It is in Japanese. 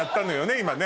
今ね。